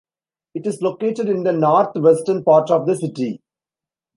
It is located in the north-western part of the city.